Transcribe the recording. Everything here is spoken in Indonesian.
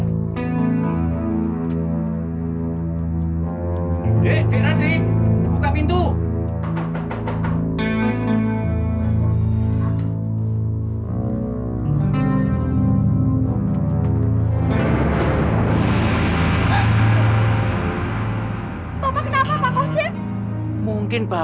aku tidak pernah memilikinya